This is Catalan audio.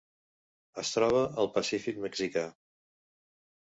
Es troba al Pacífic mexicà.